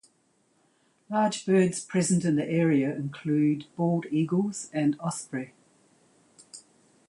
Large birds present in the area include bald eagles and osprey.